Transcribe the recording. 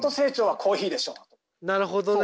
なるほどね